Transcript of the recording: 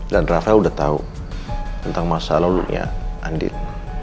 dan rafael udah tau tentang masa lalunya andin